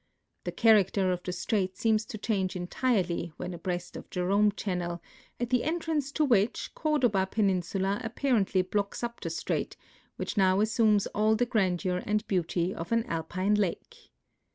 The character of the strait seems to change entirely when abreast of Jerome channel, at the entrance to which Cor doba peninsula apparently blocks up the strait, which now as sumes all the grandeur and beauty of an Alpine lake.